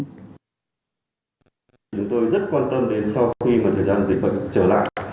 chúng tôi rất quan tâm đến sau khi mà thời gian dịch bệnh trở lại